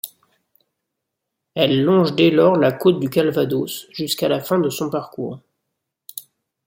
Elle longe dès lors la côte du Calvados jusqu'à la fin de son parcours.